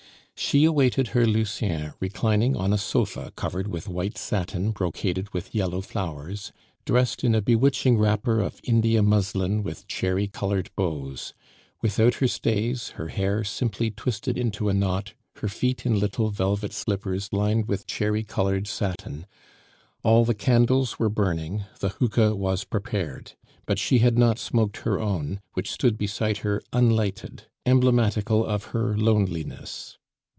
She awaited her Lucien reclining on a sofa covered with white satin brocaded with yellow flowers, dressed in a bewitching wrapper of India muslin with cherry colored bows; without her stays, her hair simply twisted into a knot, her feet in little velvet slippers lined with cherry colored satin; all the candles were burning, the hookah was prepared. But she had not smoked her own, which stood beside her unlighted, emblematical of her loneliness.